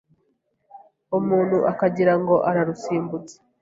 umuntu akagirango ararusimbutse